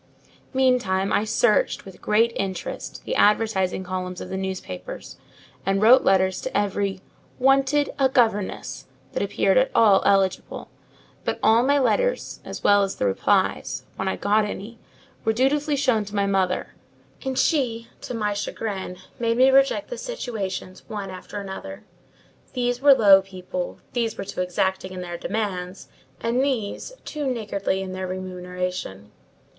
Meantime, I searched, with great interest, the advertising columns of the newspapers, and wrote answers to every "Wanted a Governess" that appeared at all eligible; but all my letters, as well as the replies, when I got any, were dutifully shown to my mother; and she, to my chagrin, made me reject the situations one after another: these were low people, these were too exacting in their demands, and these too niggardly in their remuneration.